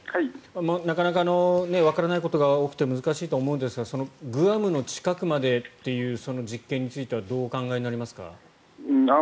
なかなかわからないことが多くて難しいと思うんですがグアムの近くまでっていう実験についてはどうお考えになりますか？